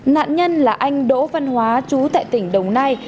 nạn nhân là anh đỗ văn hóa chú tại tỉnh đồng nai